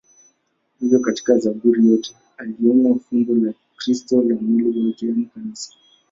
Hivyo katika Zaburi zote aliona fumbo la Kristo na la mwili wake, yaani Kanisa.